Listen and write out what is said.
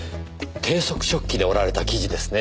低速織機で織られた生地ですねえ。